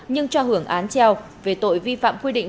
nhưng cho hưởng án treo về tội vi phạm quy định